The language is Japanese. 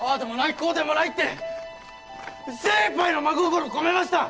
こうでもないって精いっぱいの真心込めました！